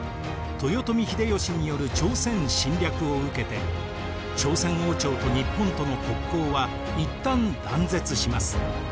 豊臣秀吉による朝鮮侵略を受けて朝鮮王朝と日本との国交は一旦断絶します。